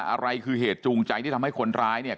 อะไรคือเหตุจูงใจที่ทำให้คนร้ายเนี่ย